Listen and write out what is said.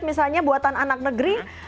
misalnya buatan anak negeri